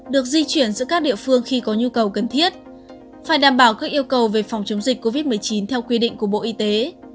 được di chuyển giữa các địa phương khi có nhu cầu cần thiết phải đảm bảo các yêu cầu về phòng chống dịch covid một mươi chín theo quy định của bộ y tế